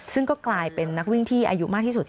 ซึ่งก็กลายเป็นนักวิ่งที่อายุมากที่สุด